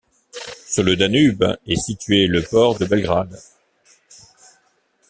Sur le Danube est situé le port de Belgrade.